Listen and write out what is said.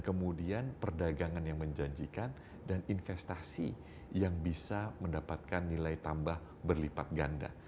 kemudian perdagangan yang menjanjikan dan investasi yang bisa mendapatkan nilai tambah berlipat ganda